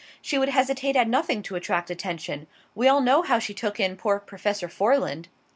She would hesitate at nothing to attract attention: we all know how she took in poor Professor Foreland."